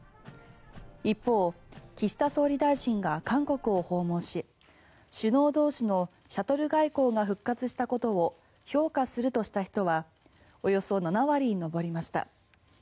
一方、岸田総理大臣が韓国を訪問し首脳同士のシャトル外交が復活したことを評価するとした人はおよそ７割に上りました。